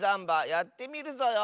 やってみるぞよ。